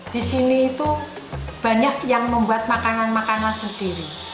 di sini itu banyak yang membuat makanan makanan sendiri